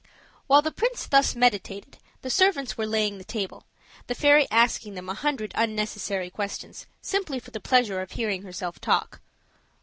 While the prince thus meditated, the servants were laying the table, the fairy asking them a hundred unnecessary questions, simply for the pleasure of hearing herself talk.